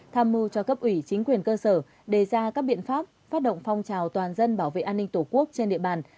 tham mưu cho cấp ủy chính quyền cơ sở đề ra các biện pháp phát động phong trào toàn dân bảo vệ an ninh tổ quốc trên địa bàn